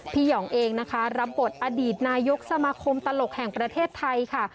หยองเองนะคะรับบทอดีตนายกสมาคมตลกแห่งประเทศไทยค่ะ